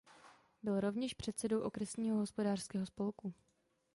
Byl rovněž předsedou okresního hospodářského spolku.